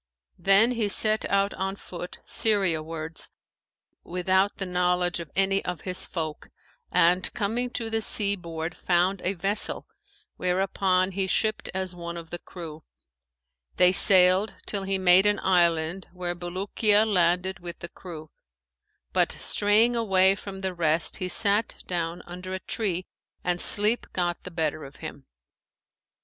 Then he set out on foot Syria wards without the knowledge of any of his folk, and coming to the sea board found a vessel whereon he shipped as one of the crew. They sailed till he made an island, where Bulukiya landed with the crew, but straying away from the rest he sat down under a tree and sleep got the better of him.